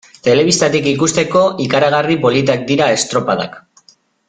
Telebistatik ikusteko, ikaragarri politak dira estropadak.